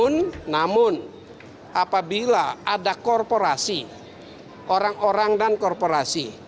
namun apabila ada korporasi orang orang dan korporasi